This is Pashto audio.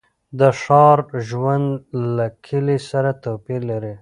د ښار ژوند له کلي سره توپیر لري.